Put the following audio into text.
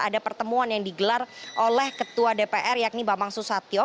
ada pertemuan yang digelar oleh ketua dpr yakni bambang susatyo